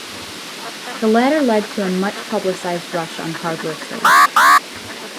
The latter led to a much-publicized rush on hardware stores.